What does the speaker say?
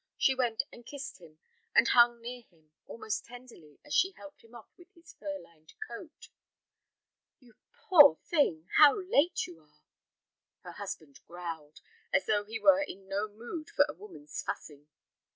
She went and kissed him, and hung near him almost tenderly as she helped him off with his fur lined coat. "You poor thing, how late you are!" Her husband growled, as though he were in no mood for a woman's fussing.